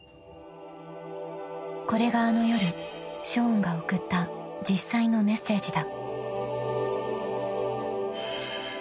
［これがあの夜ショーンが送った実際のメッセージだ］